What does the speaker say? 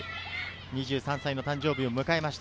２３歳の誕生日を迎えました。